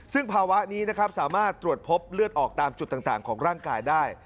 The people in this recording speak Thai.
ซึ่งภาวะนี้นะครับสามารถตรวจพบเลือดออกตามจุดต่างของร่างกายได้